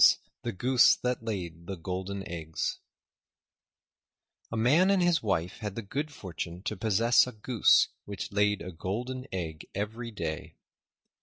THE GOOSE THAT LAID THE GOLDEN EGGS A Man and his Wife had the good fortune to possess a Goose which laid a Golden Egg every day.